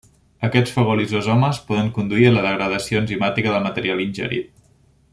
Aquests fagolisosomes poden conduir a la degradació enzimàtica del material ingerit.